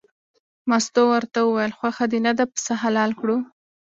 مستو ورته وویل خوښه دې نه ده پسه حلال کړو.